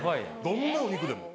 どんなお肉でも？